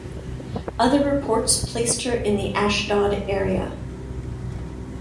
Other reports placed her in the Ashdod area.